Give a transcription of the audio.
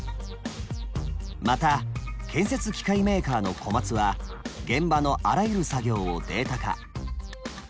また建設機械メーカーのコマツは現場のあらゆる作業をデータ化。